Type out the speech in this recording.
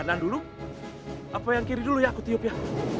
tenang dulu apa yang kiri dulu ya aku tiup ya